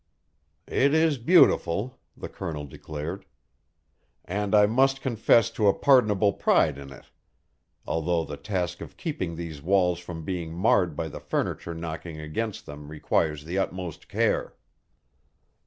"It is beautiful," the Colonel declared. "And I must confess to a pardonable pride in it, although the task of keeping these walls from being marred by the furniture knocking against them requires the utmost care."